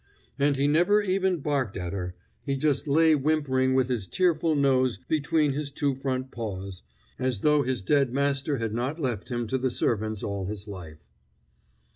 And he never even barked at her; he just lay whimpering with his tearful nose between his two front paws, as though his dead master had not left him to the servants all his life.